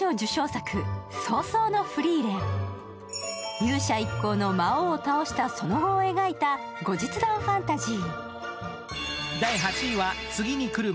勇者一行の魔王を倒したその後を描いた後日談ファンタジー。